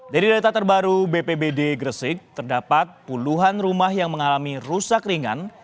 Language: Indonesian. dari data terbaru bpbd gresik terdapat puluhan rumah yang mengalami rusak ringan